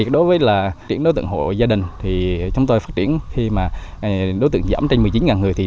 đối với đối tượng hộ gia đình khi đối tượng giảm trên một mươi chín người